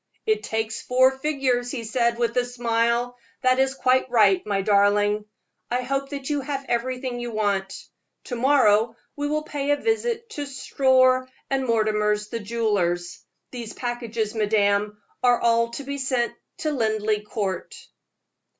"It takes four figures," he said, with a smile; "that is quite right, my darling. I hope that you have everything you want. To morrow we will pay a visit to Storr & Mortimer's, the jewelers. These packages, madame, are all to be sent to Linleigh Court."